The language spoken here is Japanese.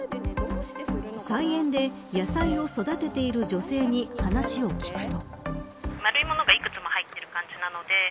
菜園で野菜を育てている女性に話を聞くと。